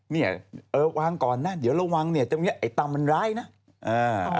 เนี่ยวางก่อนนะเดี๋ยวเราวางเนี่ยไอ้ตัมมันร้ายนะ